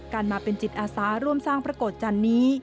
การมาเป็นจิตอาสาร่วมสร้างประกอบจันนี้